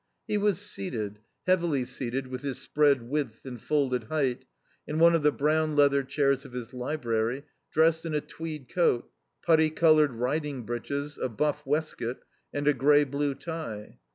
He was seated, heavily seated with his spread width and folded height, in one of the brown leather chairs of his library, dressed in a tweed coat, putty coloured riding breeches, a buff waistcoat, and a grey blue tie.